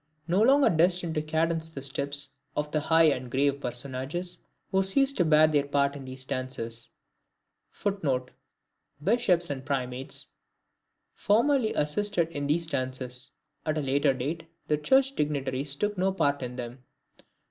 No longer destined to cadence the steps of the high and grave personages who ceased to bear their part in these dances, [Footnote: Bishops and Primates formerly assisted in these dances; at a later date the Church dignitaries took no part in them.